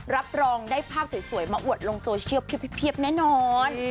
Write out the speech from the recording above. รับรองได้ภาพสวยมาอวดลงโซเชียลเพียบแน่นอน